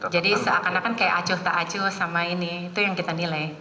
jadi seakan akan kayak acuh tak acuh sama ini itu yang kita nilai